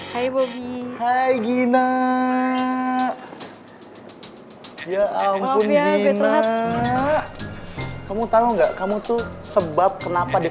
hai bobby hai gina ya ampun gina kamu tahu enggak kamu tuh sebab kenapa di